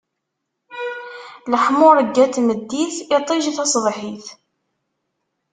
Leḥmuṛegga n tmeddit, iṭij taṣebḥit!